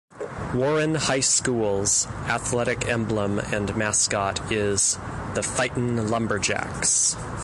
Warren High School's athletic emblem and mascot is The Fightin' Lumberjacks.